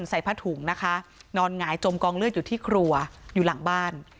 ใส่ผ้าถุงนะคะนอนหงายจมกองเลือดอยู่ที่ครัวอยู่หลังบ้าน